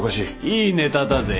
いいネタだぜ。